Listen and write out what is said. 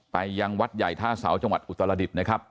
ยังวัดใหญ่ท่าเสาจังหวัดอุตรดิษฐ์นะครับ